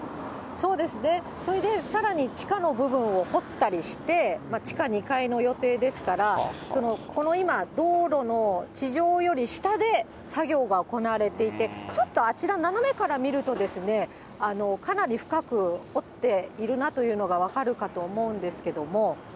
そうですね、それで、さらに地下の部分を掘ったりして、地下２階の予定ですから、この今、道路の地上より下で、作業が行われていて、ちょっとあちら、斜めから見ると、かなり深く掘っているなというのが分かるかと思うんですけども。